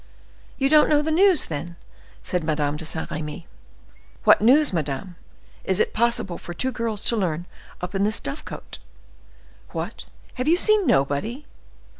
"You don't know the news, then?" said Madame de Saint Remy. "What news, madame, is it possible for two girls to learn up in this dove cote?" "What! have you seen nobody?"